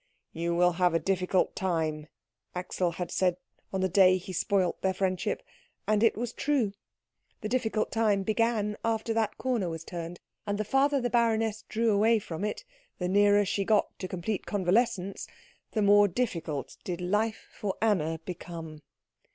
"You will have a difficult time," Axel had said on the day he spoilt their friendship; and it was true. The difficult time began after that corner was turned, and the farther the baroness drew away from it, the nearer she got to complete convalescence, the more difficult did life for Anna become.